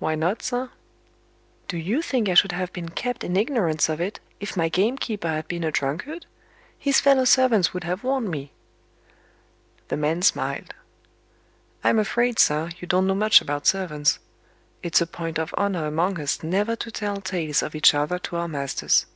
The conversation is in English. "Why not, sir?" "Do you think I should have been kept in ignorance of it, if my gamekeeper had been a drunkard? His fellow servants would have warned me." The man smiled. "I'm afraid, sir, you don't know much about servants. It's a point of honor among us never to tell tales of each other to our masters."